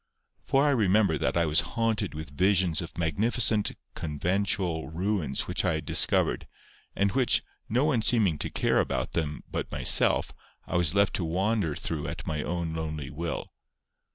For I remember that I was haunted with visions of magnificent conventual ruins which I had discovered, and which, no one seeming to care about them but myself, I was left to wander through at my own lonely will.